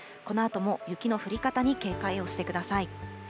このあとも雪の降り方に警戒をしてください。